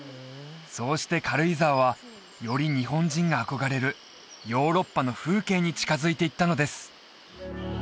そうして軽井沢はより日本人が憧れるヨーロッパの風景に近づいていったのです